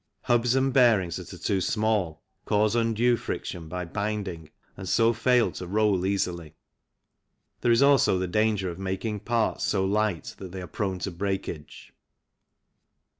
Hubs and bearings that are too small cause undue friction by binding and so fail to roll easily. There is also the danger of making parts so light that they are prone to breakage.